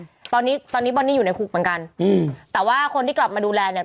ตอนนี้ตอนนี้บอลนี่อยู่ในคุกเหมือนกันอืมแต่ว่าคนที่กลับมาดูแลเนี่ย